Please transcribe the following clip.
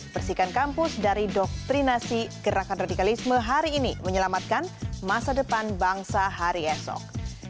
bersihkan kampus dari doktrinasi gerakan radikalisme hari ini menyelamatkan masa depan bangsa hari esok